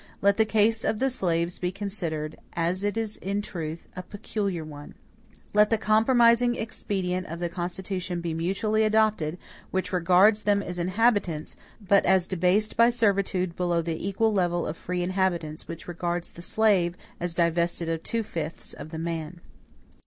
Let the case of the slaves be considered, as it is in truth, a peculiar one. Let the compromising expedient of the Constitution be mutually adopted, which regards them as inhabitants, but as debased by servitude below the equal level of free inhabitants, which regards the SLAVE as divested of two fifths of the MAN.